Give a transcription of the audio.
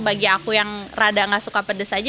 bagi aku yang rada gak suka pedes aja